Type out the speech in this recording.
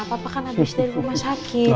papa kan habis dari rumah sakit